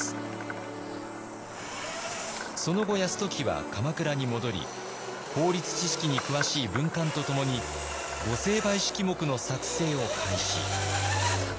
その後泰時は鎌倉に戻り法律知識に詳しい文官と共に御成敗式目の作成を開始。